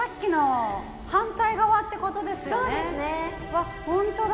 わっ本当だ。